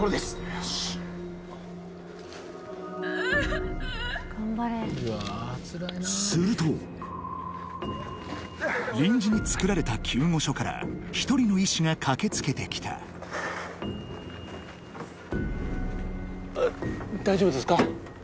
よしうっすると臨時に作られた救護所から１人の医師が駆けつけてきた大丈夫ですか？